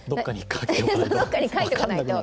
どこかに書いておかないと。